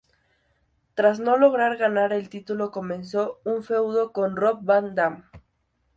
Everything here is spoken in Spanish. Tras no lograr ganar el Título, comenzó un feudo con Rob Van Dam.